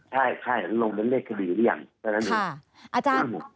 ใช่ลงเป็นเลขคดีหรือยัง